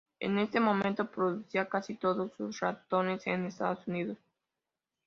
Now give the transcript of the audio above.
En ese momento, producía casi todos sus ratones en Estados Unidos.